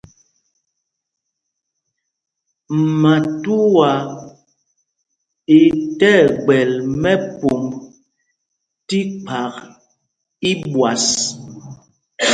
Matauá í tí ɛgbɛl mɛ́pûmb tí kphak íɓwas.